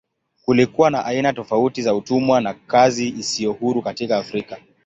Kulikuwa na aina tofauti za utumwa na kazi isiyo huru katika Afrika.